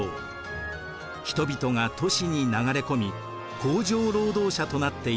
人々が都市に流れ込み工場労働者となっていきました。